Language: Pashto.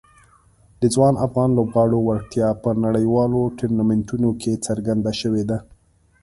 د ځوان افغان لوبغاړو وړتیا په نړیوالو ټورنمنټونو کې څرګنده شوې ده.